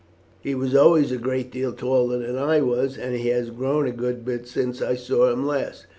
He was always a great deal taller than I was, and he has grown a good bit since I saw him last.